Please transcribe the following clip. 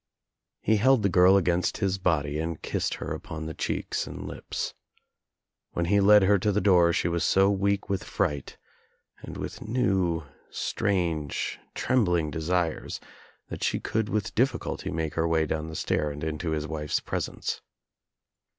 He held the girl against his body and kissed her upon the cheeks and lips. When he led her to the door she was so weak with fright and with ncw» THE DOOR OF THE TRAP 133 ^Bltrange, trembling desires that she could with diffi ^^ culty make her way down the stair and into his wife's presence.